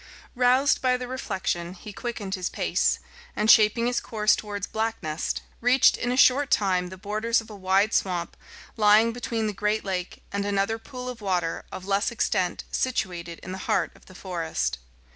Roused by the reflection, he quickened his pace, and shaping his course towards Black Nest, reached in a short time the borders of a wide swamp lying between the great lake and another pool of water of less extent situated in the heart of the forest.